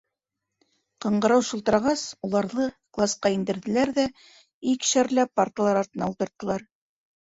Ҡыңғырау шылтырағас, уларҙы класҡа индерҙеләр ҙә икешәрләп парталар артына ултырттылар.